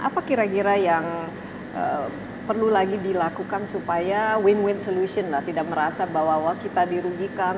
apa kira kira yang perlu lagi dilakukan supaya win win solution lah tidak merasa bahwa kita dirugikan